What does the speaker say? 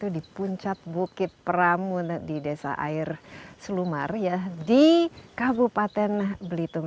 di puncak bukit pramun di desa air selumar di kabupaten belitung